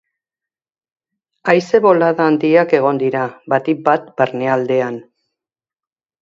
Haize bolada handiak egongo dira, batik bat barnealdean.